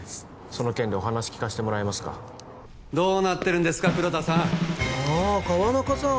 その件でお話聞かせてもらえますかどうなってるんですか黒田さんああ川中さん